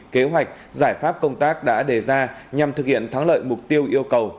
kế hoạch giải pháp công tác đã đề ra nhằm thực hiện thắng lợi mục tiêu yêu cầu